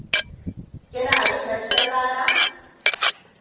Kina yin baccin rana?